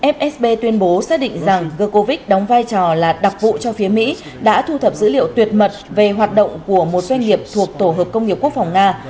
fsb tuyên bố xác định rằng gcovich đóng vai trò là đặc vụ cho phía mỹ đã thu thập dữ liệu tuyệt mật về hoạt động của một doanh nghiệp thuộc tổ hợp công nghiệp quốc phòng nga